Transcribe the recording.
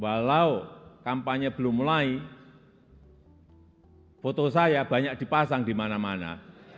walau kampanye belum mulai foto saya banyak dipasang di mana mana